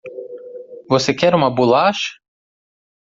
Você quer uma bolacha?